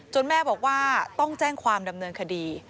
แม่บอกว่าต้องแจ้งความดำเนินคดี